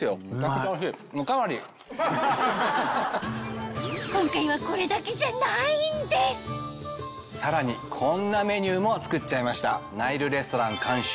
今回はさらにこんなメニューも作っちゃいました。